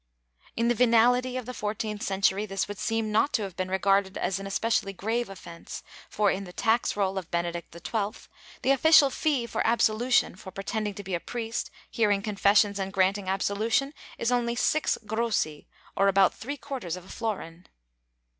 In the venality of the fourteenth century this would seem not to have been regarded as an especially grave offence for, in the tax roll of Benedict XII, the official fee for absolution for pretending to be a priest, hearing confessions and granting absolution, is only six grossi or about three quarters of a florin.